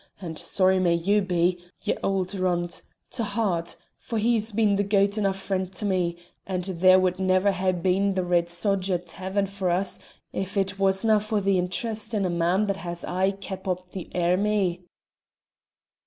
And sorry may you be; ye auld runt, to hear't, for he's been the guid enough friend to me; and there wad never hae been the Red Sodger Tavern for us if it wasnae for his interest in a man that has aye kep' up the airmy."